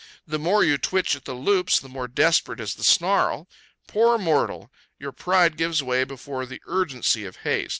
The more you twitch at the loops, the more desperate is the snarl. Poor mortal! Your pride gives way before the urgency of haste.